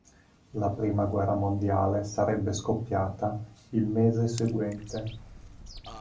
La prima guerra mondiale sarebbe scoppiata il mese seguente.